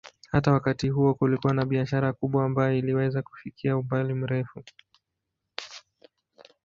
Hata wakati huo kulikuwa na biashara kubwa ambayo iliweza kufikia umbali mrefu.